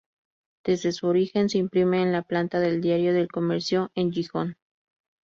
Desde su origen, se imprime en la planta del diario El Comercio en Gijón.